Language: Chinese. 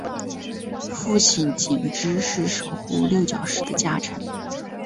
父亲景之是守护六角氏的家臣。